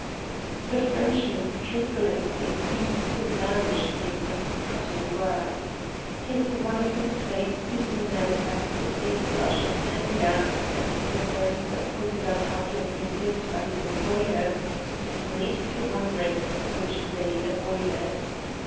The Frenchman's truculency seemed to vanish under Brett's cutting words. His wizened face even manifested a faint flush of anger as the barrister pointed out how he had been duped by his employers and made to run risks which they avoided.